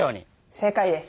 正解です。